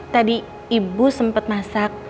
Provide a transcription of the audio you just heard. tadi ibu sempet masak